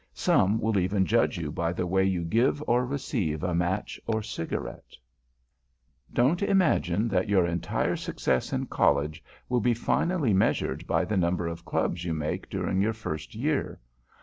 Some will even judge you by the way you give or receive a match or cigarette. [Sidenote: SUMMING UP THE CLUB PROBLEM] Don't imagine that your entire success in College will be finally measured by the number of Clubs you make during your first year.